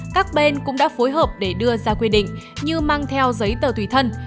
các bên cũng đã phối hợp để đưa ra quy định như mang theo giấy tờ tùy thân